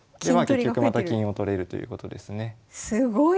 結局また金を取れるということですね。